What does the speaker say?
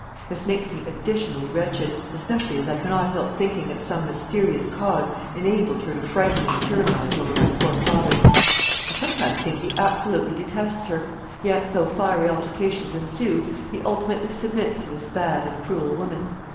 This makes me additionally wretched, especially as I cannot help thinking that some mysterious cause enables her to frighten and tyrannise over my poor father. I sometimes think he absolutely detests her; yet, though fiery altercations ensue, he ultimately submits to this bad and cruel woman.